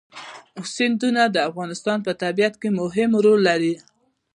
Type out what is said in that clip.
سیندونه د افغانستان په طبیعت کې مهم رول لري.